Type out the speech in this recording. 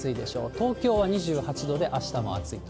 東京は２８度で、あしたも暑いと。